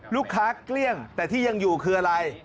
เกลี้ยงแต่ที่ยังอยู่คืออะไร